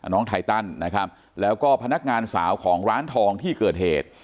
ไทตันนะครับแล้วก็พนักงานสาวของร้านทองที่เกิดเหตุ